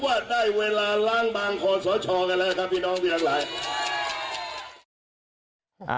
ผมว่าได้เวลาร่างบางคนสะชอบกันแล้วค่ะพี่น้องพี่นักหลาย